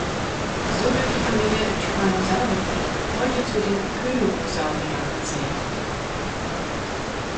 So wird die Familie Tyrannosauridae heute zu den Coelurosauria gezählt.